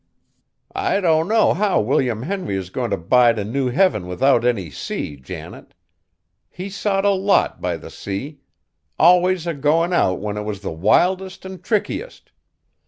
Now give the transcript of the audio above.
"I don't know how William Henry is goin' t' bide a new heaven without any sea, Janet; he sot a lot by the sea! Always a goin' out when it was the wildest an' trickiest!